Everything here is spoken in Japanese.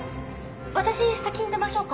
私先に出ましょうか？